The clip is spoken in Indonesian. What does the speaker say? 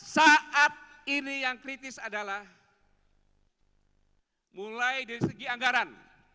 saat ini yang kritis adalah mulai dari segi anggaran